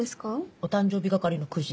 お誕生日係のクジ。